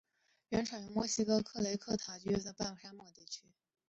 原产于墨西哥克雷塔罗郊区的半沙漠地区。